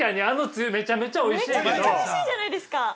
◆めちゃめちゃおいしいじゃないですか。